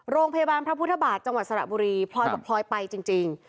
โรงพยาบาลพระพุทธบาทจังหวัดสระบุรีพลอยบอกพลอยไปจริง